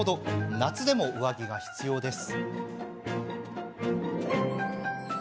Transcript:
夏でも上着が必要です。